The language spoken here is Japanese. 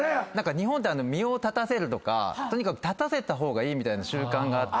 日本って身を立たせるとかとにかく立たせた方がいいみたいな習慣があって。